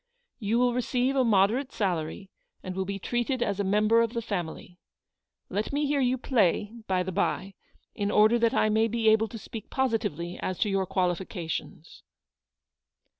You will receive a moderate salary, and will be treated as a member of the family. Let me hear you play, by the by, in order that I may be able to speak positively as to your qualifications."